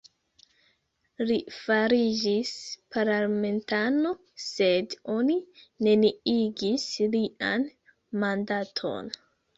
Li fariĝis parlamentano, sed oni neniigis lian mandaton.